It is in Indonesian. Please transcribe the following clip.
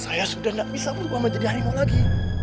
aku sudah gak bisa berubah menjadi hari maut lagi